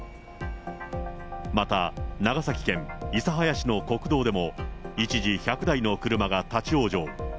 また、長崎県諫早市の国道でも、一時１００台の車が立往生。